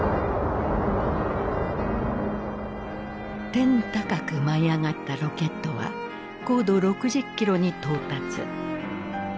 天高く舞い上がったロケットは高度６０キロに到達。